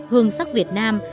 hương sắc việt nam